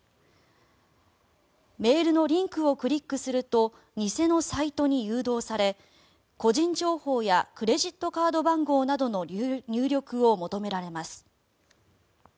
メールのリンクをクリックすると偽のサイトに誘導され個人情報やクレジットカード番号などの入力を求められます。